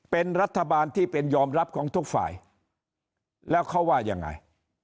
เป็นรัฐบาลที่เป็นยอมรับของทุกฝ่ายแล้วเขาว่ายังไง